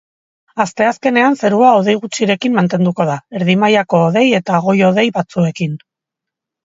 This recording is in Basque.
Asteazkenean zerua hodei gutxirekin mantenuko da, erdi mailako hodei eta goi-hodei batzuekin.